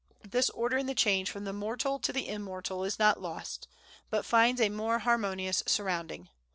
This order in the change from the mortal to the immortal is not lost, but finds a more harmonious surrounding.